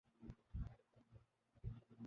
واقفان حال ہی ان تک پہنچ سکتے ہیں۔